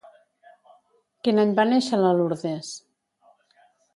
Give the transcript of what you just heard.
Quin any va néixer la Lourdes?